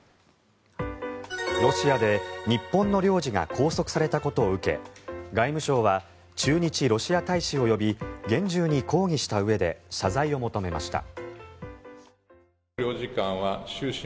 ロシアで日本の領事が拘束されたことを受け外務省は駐日ロシア大使を呼び厳重に抗議したうえで謝罪を求めました。